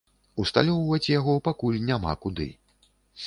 Усталёўваць яго пакуль няма куды.